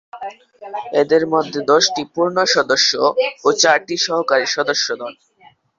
এদের মধ্যে দশটি পূর্ণ সদস্য ও চারটি সহকারী সদস্য দল।